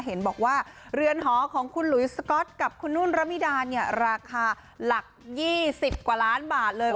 เห็นบอกว่าเรือนหอของคุณหลุยสก๊อตกับคุณนุ่นระมิดาเนี่ยราคาหลัก๒๐กว่าล้านบาทเลย